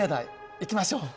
行きましょう！